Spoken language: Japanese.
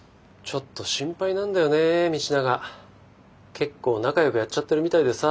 結構仲よくやっちゃってるみたいでさ。